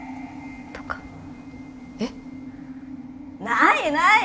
ないない。